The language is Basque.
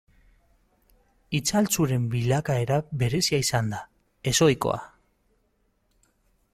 Itzaltzuren bilakaera berezia izan da, ez ohikoa.